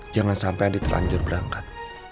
jangan sampe andi terlanjur berangkat